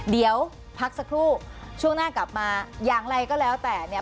เดี๋ยวพักสักครู่ช่วงหน้ากลับมาอย่างไรก็แล้วแต่เนี่ย